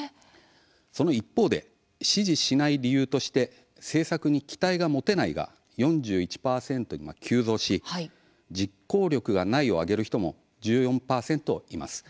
一方、支持しない理由として政策に期待が持てないが４１％に急増し実行力がないを挙げる人も１４％います。